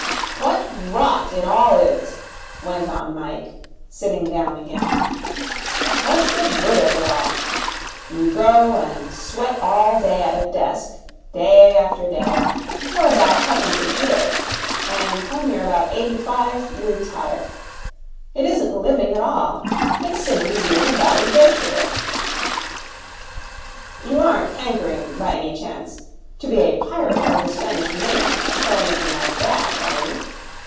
'What rot it all is!' went on Mike, sitting down again. 'What's the good of it all? You go and sweat all day at a desk, day after day, for about twopence a year. And when you're about eighty five, you retire. It isn't living at all. It's simply being a bally vegetable.' 'You aren't hankering, by any chance, to be a pirate of the Spanish main, or anything like that, are you?'